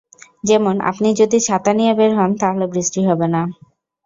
যেমন আপনি যদি ছাতা নিয়ে বের হন, তাহলে বৃষ্টি হবে না।